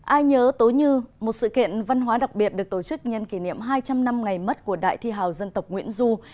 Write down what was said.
ai nhớ tối như một sự kiện văn hóa đặc biệt được tổ chức nhân kỷ niệm hai trăm linh năm ngày mất của đại thi hào dân tộc nguyễn du